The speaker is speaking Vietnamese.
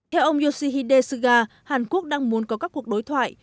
theo ông yoshihide suga hàn quốc đang muốn có các cuộc đối thoại